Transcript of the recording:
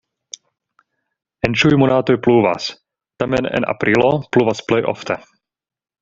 En ĉiuj monatoj pluvas, tamen en aprilo pluvas plej ofte.